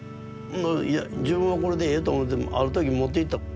いや自分はこれでええと思ってある時持っていった。